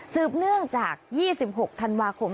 ืบเนื่องจาก๒๖ธันวาคม